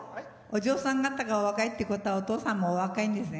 お嬢さん方がお若いってことはお父さんもお若いんでしょ。